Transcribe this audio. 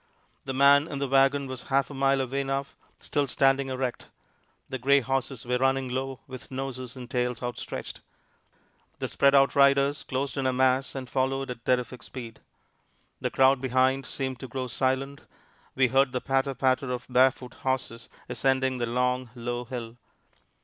The man in the wagon was half a mile away now, still standing erect. The gray horses were running low, with noses and tails outstretched. The spread out riders closed in a mass and followed at terrific speed. The crowd behind seemed to grow silent. We heard the patter patter of barefoot horses ascending the long, low hill.